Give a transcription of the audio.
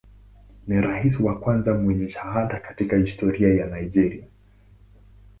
Ni rais wa kwanza mwenye shahada katika historia ya Nigeria.